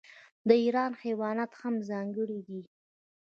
د ایران حیوانات هم ځانګړي دي.